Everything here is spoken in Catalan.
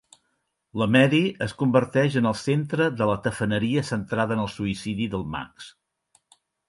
La Mary es converteix en el centre de la tafaneria centrada en el suïcidi del Max.